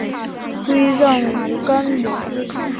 归葬于干陵。